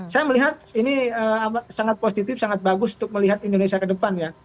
saya melihat ini sangat positif sangat bagus untuk melihat indonesia ke depan ya